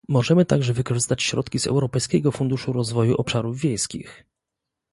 Możemy także wykorzystać środki z Europejskiego Funduszu Rozwoju Obszarów Wiejskich